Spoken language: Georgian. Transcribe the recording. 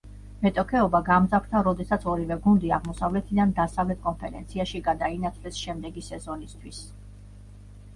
მეტოქეობა გამძაფრდა როდესაც ორივე გუნდი აღმოსავლეთიდან დასავლეთ კონფერენციაში გადაინაცვლეს შემდეგი სეზონისთვის.